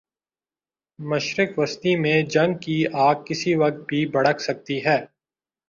مشرق وسطی میں جنگ کی آگ کسی وقت بھی بھڑک سکتی ہے۔